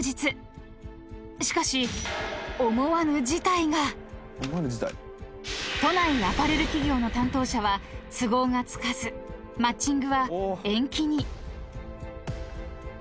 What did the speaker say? ［しかし］［都内アパレル企業の担当者は都合がつかずマッチングは延期に］